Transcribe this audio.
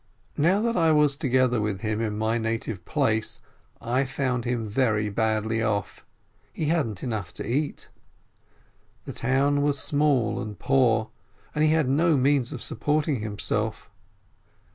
Now that I was together with him in my native place, I found him very badly off, he hadn't enough to eat. The town was small and poor, and he had no means of supporting himself.